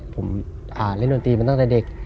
ผมเล่นดนตรีมาตั้งแต่เด็ก